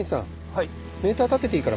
はい。